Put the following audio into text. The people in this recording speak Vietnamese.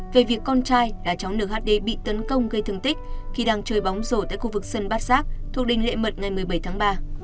về việc con trai đã chóng nửa hd bị tấn công gây thương tích khi đang chơi bóng rổ tại khu vực sân bát giác thuộc đinh lệ mật ngày một mươi bảy tháng ba